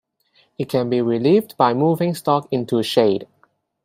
It can be relieved by moving stock into shade.